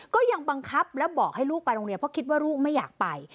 ก็ยังบังคับและบอกให้ลูกไปโรงเรียนเพราะคิดว่าลูกไม่อยากไป